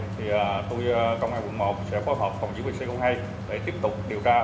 thì tôi công an vùng một sẽ phối hợp phòng bc hai để tiếp tục điều tra